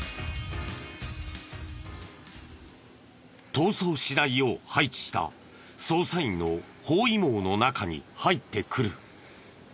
逃走しないよう配置した捜査員の包囲網の中に入ってくる。